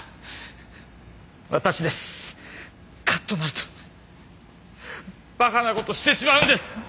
カッとなるとバカな事をしてしまうんです！